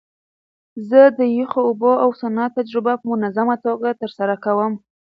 زه د یخو اوبو او سونا تجربه په منظمه توګه ترسره کوم.